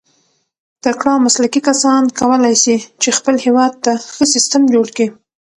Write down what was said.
تکړه او مسلکي کسان کولای سي، چي خپل هېواد ته ښه سیسټم جوړ کي.